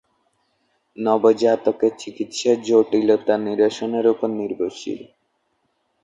নবজাতকের চিকিৎসা জটিলতা নিরসনের উপর নির্ভরশীল।